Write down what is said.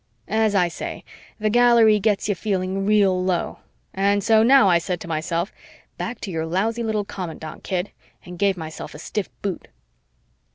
As I say, the Gallery gets you feeling real low, and so now I said to myself, "Back to your lousy little commandant, kid," and gave myself a stiff boot.